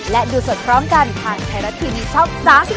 และดูสดพร้อมกันทางไทยรัฐทีวีช่อง๓๒